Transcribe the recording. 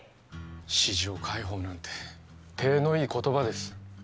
市場開放なんて体のいい言葉です